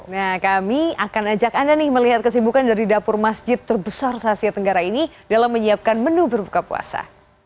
nah kami akan ajak anda nih melihat kesibukan dari dapur masjid terbesar asia tenggara ini dalam menyiapkan menu berbuka puasa